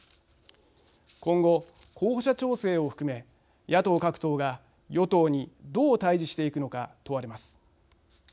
今後、候補者調整を含め野党各党が与党にどう対じしていくのか問われます。